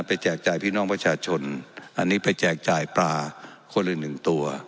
แจกจ่ายพี่น้องประชาชนอันนี้ไปแจกจ่ายปลาคนละหนึ่งตัว